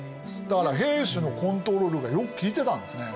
だから平氏のコントロールがよくきいてたんですね。